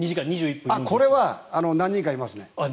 これは何人かいますね。